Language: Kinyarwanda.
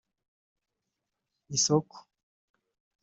isoko